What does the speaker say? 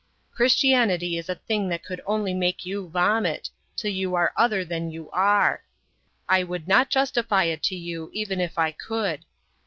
Christianity is a thing that could only make you vomit, till you are other than you are. I would not justify it to you even if I could.